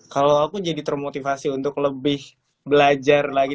kalau aku jadi termotivasi untuk lebih belajar lagi